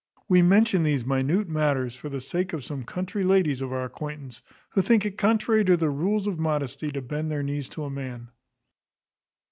We mention these minute matters for the sake of some country ladies of our acquaintance, who think it contrary to the rules of modesty to bend their knees to a man.